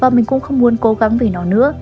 và mình cũng không muốn cố gắng vì nó nữa